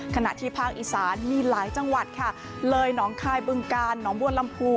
ขณะที่ภาคอีสานมีหลายจังหวัดค่ะเลยหนองคายบึงกาลหนองบัวลำพู